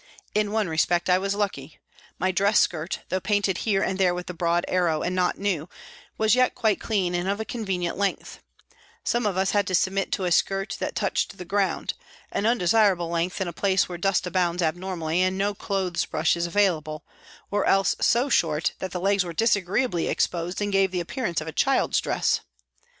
In one respect I was lucky. My dress skirt, though painted here and there with the broad arrow and not new, was yet quite clean and of a convenient length ; some of us had to submit to a skirt that touched the ground, an undesirable length in a place where dust abounds abnormally and no clothes brush is available, or else so short that the legs were disagreeably exposed and gave the appear ance of a child's dress.